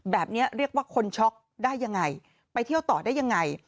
แบบนี้เรียกว่าคนช็อกได้อย่างไรไปเที่ยวต่อได้อย่างไร